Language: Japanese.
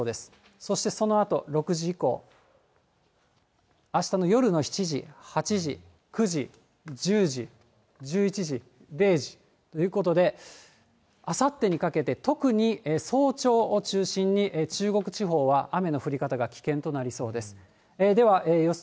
そしてそのあと６時以降、あしたの夜の７時、８時、９時、１０時、１１時、０時。ということで、あさってにかけて特に早朝を中心に中国地方は雨の降り方が危険となりそうです。